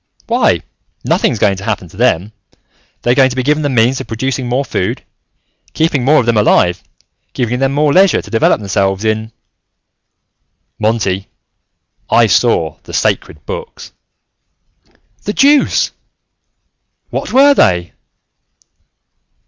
"Why, nothing's going to happen to them. They're going to be given the means of producing more food, keeping more of them alive, giving them more leisure to develop themselves in " "Monty, I saw the Sacred Books." "The deuce! What were they?"